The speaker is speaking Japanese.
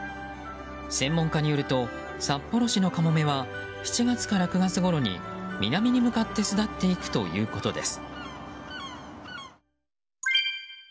専門家によると札幌市のカモメは７月から９月ごろに南に向かって巣立っていくということです。